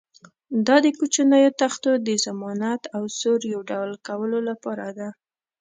دا د کوچنیو تختو د ضخامت او سور یو ډول کولو لپاره ده.